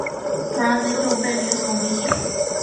Transit of Venus Commission.